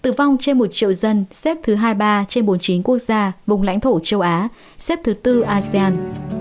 tử vong trên một triệu ca xếp thứ hai mươi bốn trên hai trăm hai mươi năm quốc gia vùng lãnh thổ châu á xếp thứ ba asean